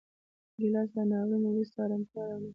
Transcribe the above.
ګیلاس له ناورین وروسته ارامتیا راولي.